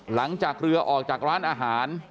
หลังจากเรือออกจากร้านอาหาร